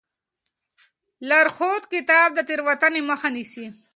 لارښود کتاب د تېروتنې مخه نیسي.